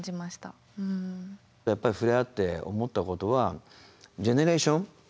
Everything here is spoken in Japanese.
やっぱり触れ合って思ったことはジェネレーション。